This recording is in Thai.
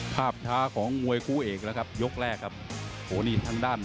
ภาพช้าของมวยคู่เอกแล้วครับยกแรกครับโหนี่ทางด้าน